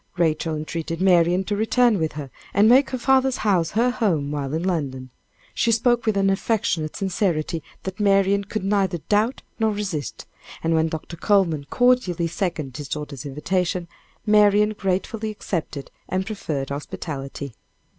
Rachel entreated Marian to return with her and make her father's house her home while in London. She spoke with an affectionate sincerity that Marian could neither doubt nor resist, and when Dr. Coleman cordially seconded his daughter's invitation, Marian gratefully accepted the proffered hospitality.